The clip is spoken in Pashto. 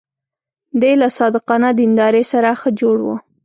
دی له صادقانه دیندارۍ سره ښه جوړ و.